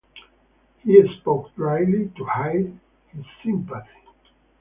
He spoke dryly to hide his sympathy.